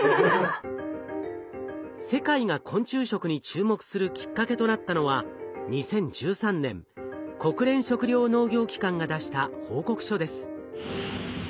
世界が昆虫食に注目するきっかけとなったのは２０１３年国連食糧農業機関が出した報告書です。